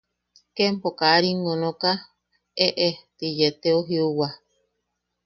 Ke empo kaa ringo nooka ¡eʼe! ti yee teu jiuwa.